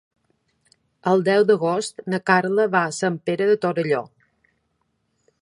El deu d'agost na Carla va a Sant Pere de Torelló.